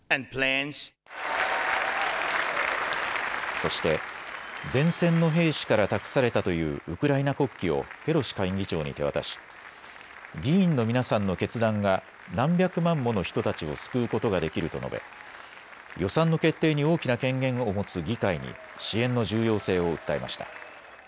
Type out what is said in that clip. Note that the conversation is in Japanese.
そして、前線の兵士から託されたというウクライナ国旗をペロシ下院議長に手渡し議員の皆さんの決断が何百万もの人たちを救うことができると述べ予算の決定に大きな権限を持つ議会に支援の重要性を訴えました。